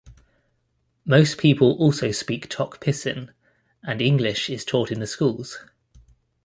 Most people also speak Tok Pisin, and English is taught in the schools.